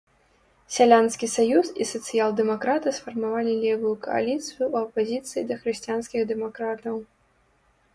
Сялянскі саюз і сацыял-дэмакраты сфармавалі левую кааліцыю ў апазіцыі да хрысціянскіх дэмакратаў.